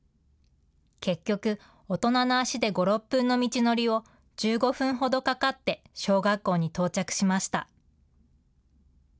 結局、大人の足で５、６分の道のりを１５分ほどかかって小学校に到着しました。